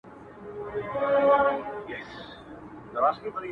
زلمي خوبونو زنګول کیسې به نه ختمېدي.!